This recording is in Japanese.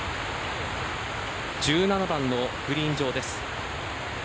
１７番のグリーン上です。